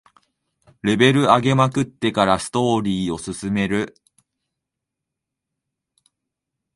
レベル上げまくってからストーリーを進める